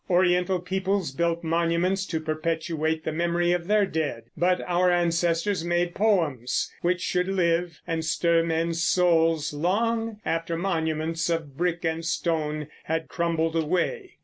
Oriental peoples built monuments to perpetuate the memory of their dead; but our ancestors made poems, which should live and stir men's souls long after monuments of brick and stone had crumbled away.